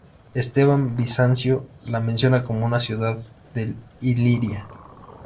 Esteban de Bizancio la menciona como una ciudad de Iliria.